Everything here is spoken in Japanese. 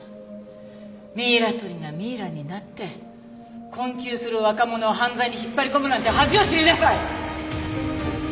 ミイラ取りがミイラになって困窮する若者を犯罪に引っ張り込むなんて恥を知りなさい！